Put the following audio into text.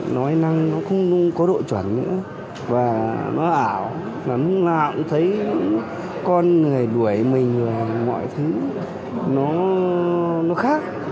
nói năng nó không luôn có độ chuẩn nữa và nó ảo nó ảo thấy con người đuổi mình và mọi thứ nó khác